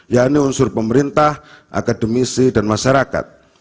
yaitu unsur pemerintah akademisi dan masyarakat